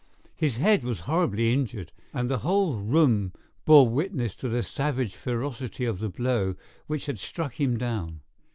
His head was horribly injured, and the whole room bore witness to the savage ferocity of the blow which had struck him down.